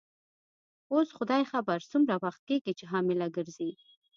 اوس خدای خبر څومره وخت کیږي چي حامله ګرځې.